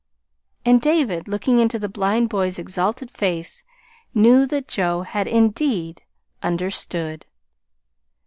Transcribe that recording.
And David, looking into the blind boy's exalted face, knew that Joe had indeed understood.